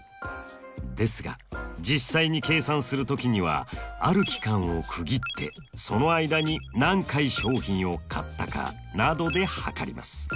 ですが実際に計算する時にはある期間を区切ってその間に何回商品を買ったかなどで測ります。